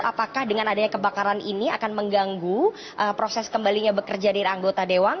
apakah dengan adanya kebakaran ini akan mengganggu proses kembalinya bekerja dari anggota dewan